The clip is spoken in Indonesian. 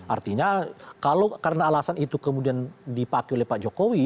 artinya kalau karena alasan itu kemudian dipakai oleh pak jokowi